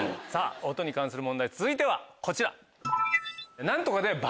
音に関する問題続いてはこちら。